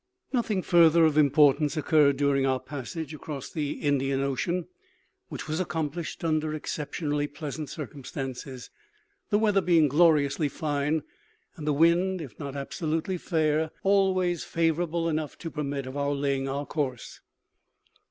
Nothing further of importance occurred during our passage across the Indian Ocean, which was accomplished under exceptionally pleasant circumstances; the weather being gloriously fine, and the wind, if not absolutely fair, always favourable enough to permit of our laying our course.